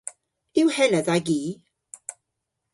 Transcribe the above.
Yw henna dha gi?